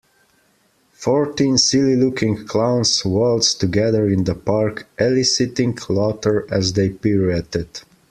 Fourteen silly looking clowns waltzed together in the park eliciting laughter as they pirouetted.